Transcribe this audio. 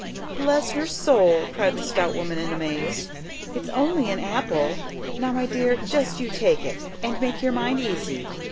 "Bless her soul!" cried the stout woman in amaze. "It's only an apple! Now, my dear, just you take it, and make your mind easy.